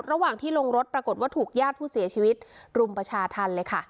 ระหว่างที่ลงรถปรากฏว่าถูกญาติผู้เสียชีวิตรุมประชาธรรมเลยค่ะ